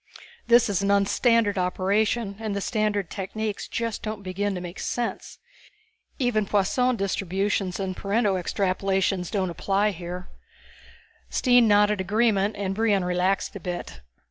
"This is an un standard operation, and the standard techniques just don't begin to make sense. Even Poisson Distributions and Pareto Extrapolations don't apply here." Stine nodded agreement and Brion relaxed a bit.